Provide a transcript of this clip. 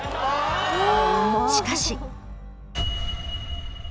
しかし。